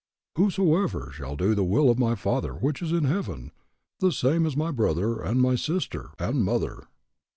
Whosoever shall do the will of my Father which is in heaven, the same is my brother, and my sister, and mother.